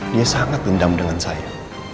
dia sangat dendam dengan saya